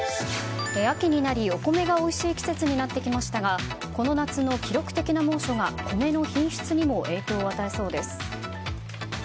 秋になりお米がおいしい季節になってきましたがこの夏の記録的な猛暑が米の品質にも影響を与えそうです。